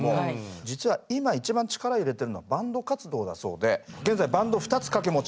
実は今一番力を入れてるのはバンド活動だそうで現在バンド２つ掛け持ち。